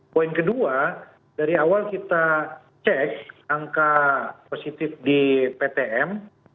poin kedua dari awal kita cek angka positif di ptm